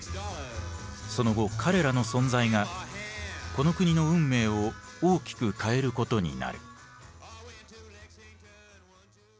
その後彼らの存在がこの国の運命を大きく変えることになる。